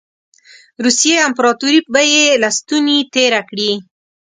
روسیې امپراطوري به یې له ستوني تېره کړي.